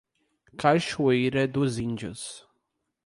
Cachoeira dos Índios